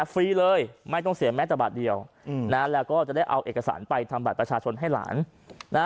ฟรีเลยไม่ต้องเสียแม้แต่บาทเดียวนะแล้วก็จะได้เอาเอกสารไปทำบัตรประชาชนให้หลานนะ